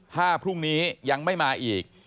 ถ้าพรุ่งนี้ยังไม่มาอีก